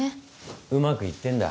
うまくいってんだ。